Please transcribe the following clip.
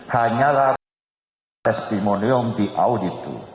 hanyalah testimonium di auditu